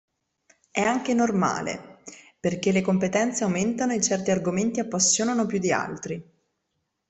È anche normale, perché le competenze aumentano e certi argomenti appassionano più di altri.